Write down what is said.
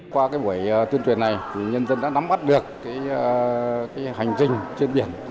qua buổi tuyên truyền này nhân dân đã nắm bắt được hành trình trên biển